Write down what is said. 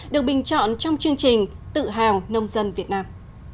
được bình chọn trong chương trình tự hào nông dân việt nam